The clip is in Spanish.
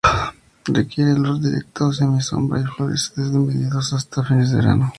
Requiere luz directa o semisombra y florece desde mediados hasta fines de verano.